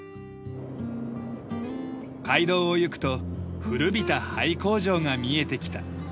街道をゆくと古びた廃工場が見えてきた。